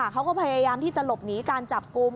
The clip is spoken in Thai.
เขาก็พยายามที่จะหลบหนีการจับกลุ่ม